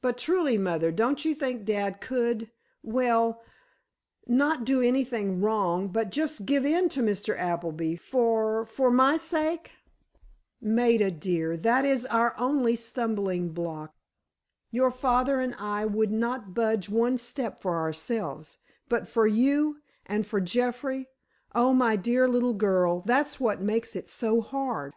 "But, truly, mother, don't you think dad could—well, not do anything wrong—but just give in to Mr. Appleby—for—for my sake?" "Maida—dear—that is our only stumbling block. Your father and I would not budge one step, for ourselves—but for you, and for Jeffrey—oh, my dear little girl, that's what makes it so hard."